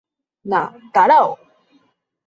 না, দাঁড়াও!